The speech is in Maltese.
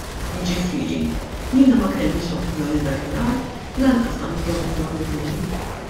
Jiġifieri jiena ma kellix opinjoni dakinhar u lanqas għandi opinjoni llum.